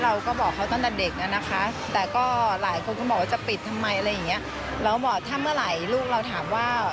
เราก็บอกถ้าเมื่อไหร่ลูกเราถามว่า